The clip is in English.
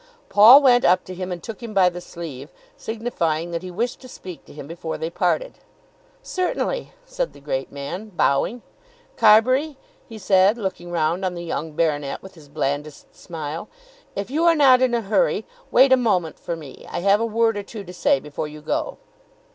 Paul went up to him and took him by the sleeve, signifying that he wished to speak to him before they parted. "Certainly," said the great man bowing. "Carbury," he said, looking round on the young baronet with his blandest smile, "if you are not in a hurry, wait a moment for me. I have a word or two to say before you go.